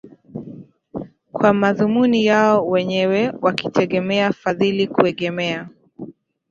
kwa madhumuni yao wenyewe wakitegemea fadhili kuegemea